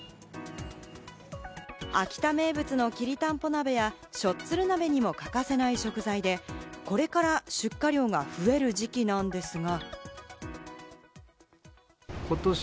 秋田名物のきりたんぽ鍋やしょっつる鍋にも欠かせない食材で、これから出荷量が増える時期なんですが。